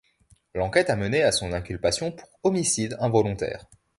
L’enquête a mené à son inculpation pour homicide involontaire.